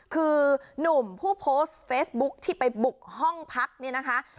คือหนุ่มผู้โพสต์เฟซบุ๊คที่ไปบุกห้องพักเนี่ยนะคะ